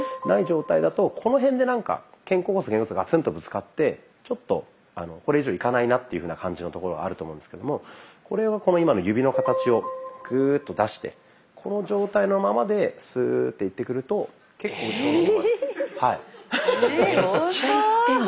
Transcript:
ない状態だとこの辺で肩甲骨と肩甲骨がガツンとぶつかってちょっとこれ以上いかないなっていうふうな感じのところがあると思うんですけどもこれを今の指の形をグーッと出してこの状態のままでスーッていってくると結構後ろの方まで。